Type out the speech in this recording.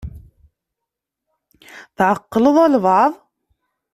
Tɛeqqleḍ albaɛḍ?